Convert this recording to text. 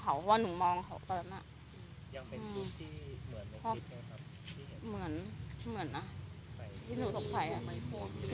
เพราะว่าหนูมองเขาตลอดนั้น